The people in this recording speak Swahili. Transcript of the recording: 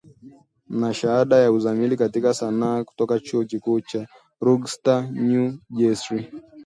Na shahada ya uzamili katika sanaa kutoka Chuo Kikuu cha Rutgers, New Jersey